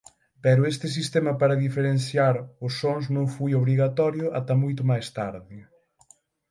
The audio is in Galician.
Pero este sistema para diferenciar os sons non foi obrigatorio ata moito máis tarde.